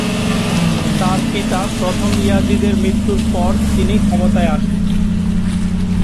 তার পিতা প্রথম ইয়াজিদের মৃত্যুর পর তিনি ক্ষমতায় আসেন।